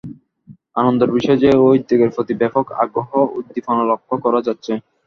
আনন্দের বিষয় যে এই উদ্যোগের প্রতি ব্যাপক আগ্রহ উদ্দীপনা লক্ষ করা যাচ্ছে।